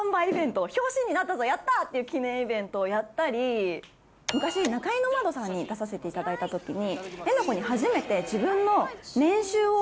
表紙になったぞやった！っていう記念イベントをやったり昔『ナカイの窓』さんに出させていただいた時に。